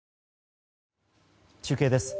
中継です。